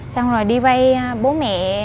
xong rồi đi vay bố mẹ